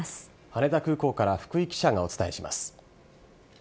羽田空港から福井記者がお伝えします。